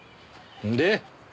で？